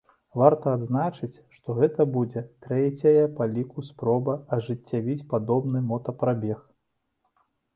Варта адзначыць, што гэта будзе трэцяя па ліку спроба ажыццявіць падобны мотапрабег.